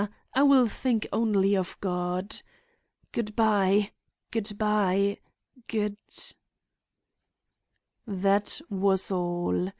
I will think only of God. "Good by—good by—good—" That was all.